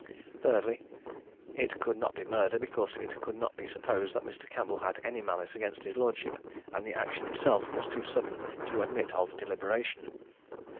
"Thirdly It could not be murder, because it could not be supposed that Mr. Campbell had any malice against his lordship, and the action itself was too sudden to admit of deliberation."